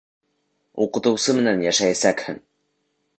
Уҡытыусы менән йәшәйәсәкһең!